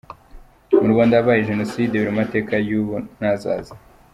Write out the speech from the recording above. Mu Rwanda habaye Jenoside, biri mu mateka y’ubu n’azaza.